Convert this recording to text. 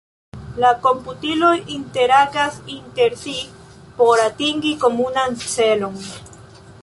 La komputiloj interagas inter si por atingi komunan celon.